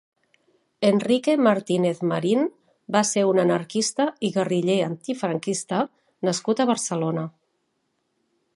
Enrique Martínez Marín va ser un anarquista i guerriller antifranquista nascut a Barcelona.